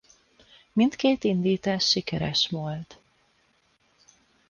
Mindkét indítás sikeres volt.